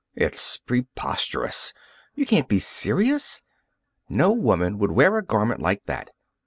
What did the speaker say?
It's preposterous! You can't be serious! No woman would wear a garment like that!